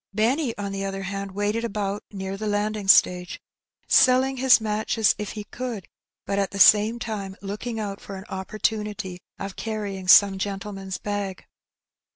Benny, on the other hand, waited about near the landing stage, selling his matches if he could, but at the same time looking out for an opportunity of carrying some gentleman's bag.